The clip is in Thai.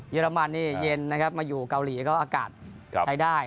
อรมันนี่เย็นนะครับมาอยู่เกาหลีก็อากาศใช้ได้